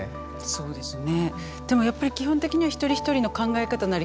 そうですね。